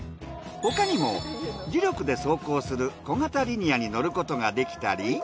ほかにも磁力で走行する小型リニアに乗ることができたり。